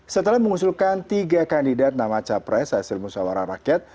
setelah mengusulkan tiga kandidat nama capres hasil musawarah rakyat